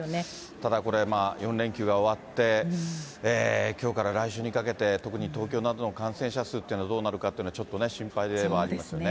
ただこれ、４連休が終わって、きょうから来週にかけて、特に東京などの感染者数というのはどうなるかっていうのは、ちょっとね、心配ではありますね。